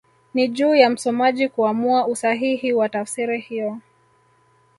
Ni juu ya msomaji kuamua usahihi wa tafsiri hiyo